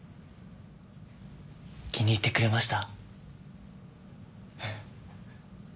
気に入ってくれました？